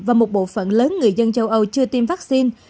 và một bộ phận lớn người dân châu âu chưa tiêm vaccine